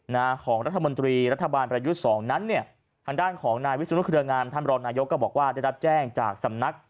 นะของรัฐมนตรีรัฐบาลประยุทธ์สองนั้นเนี่ยทางด้านของนายวิสุนุเครืองามท่านรองนายกก็บอกว่าได้รับแจ้งจากสำนัก